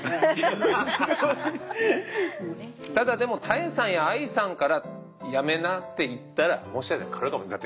ただでも多江さんやＡＩさんからやめなって言ったらもしかしたら変わるかもって。